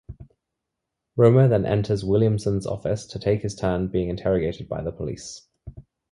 Roma then enters Williamson's office to take his turn being interrogated by the police.